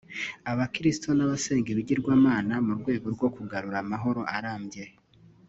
abakirisitu n’abasenga ibigirwamana mu rwego rwo kugarura amahoro arambye